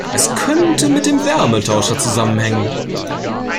Es könnte mit dem Wärmetauscher zusammenhängen.